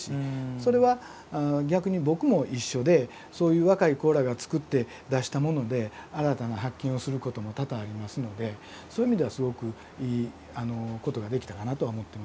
それは逆に僕も一緒でそういう若い子らが作って出したもので新たな発見をすることも多々ありますのでそういう意味ではすごくいいことができたかなとは思ってますね。